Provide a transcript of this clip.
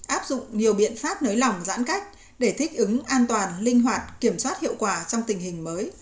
áp dụng nhiều biện pháp nới lỏng giãn cách để thích ứng an toàn linh hoạt kiểm soát hiệu quả trong tình hình mới